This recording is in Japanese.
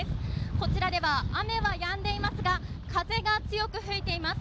こちらでは雨はやんでいますが風が強く吹いています